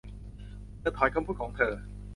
เธอถอนคำพูดของเธอ